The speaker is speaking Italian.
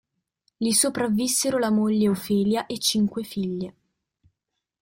Gli sopravvissero la moglie Ophelia e cinque figlie.